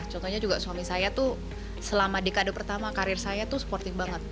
contohnya juga suami saya tuh selama dekade pertama karir saya tuh sportif banget